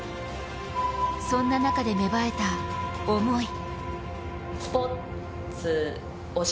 そんな中で芽生えた思い。